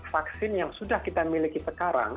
vaksin yang sudah kita miliki sekarang